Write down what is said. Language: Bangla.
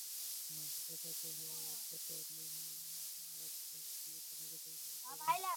দাতা কতো মহান আর দানটি কতো মর্যাদাবান ও মূল্যবান।